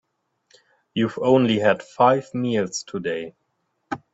You've only had five meals today.